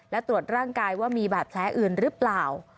และตรวจร่างกายว่ามีบาดแผลอื่นหรือเปล่า